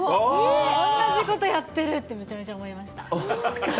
おんなじことやってるってめちゃめちゃ思いました。